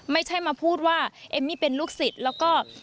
ไม่ใช่มาพูดว่าเอมมี่เป็นลูกศิษย์แล้วก็